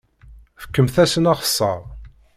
Fkemt-asen axeṣṣar!